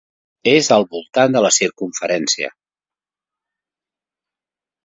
És al voltant de la circumferència.